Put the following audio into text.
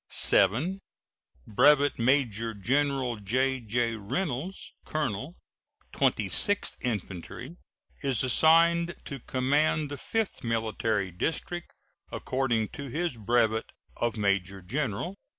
7. Brevet Major General J.J. Reynolds, colonel Twenty sixth Infantry, is assigned to command the Fifth Military District, according to his brevet of major general.